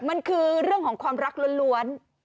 มันคือเรื่องของความรักล้วน